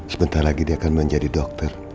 sebentar lagi dia akan menjadi dokter